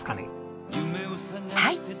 はい。